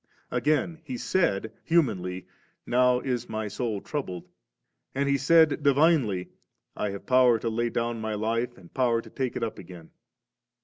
Again He said humanly, 'Now is My soul troubled ;' and He said divinely, ' I have power to lay down My life, and power to take it again ^.